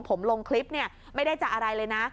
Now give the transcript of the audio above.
ผมลงคลิปเนี่ยไม่ได้จะอะไรเลยนะ